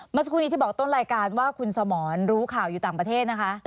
เมื่อสักครู่นี้ที่บอกต้นรายการว่าคุณสมรรู้ข่าวอยู่ต่างประเทศนะคะ